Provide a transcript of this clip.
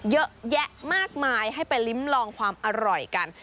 เยอะแยะมากมายให้ไปลิ้มลองความอร่อยกัน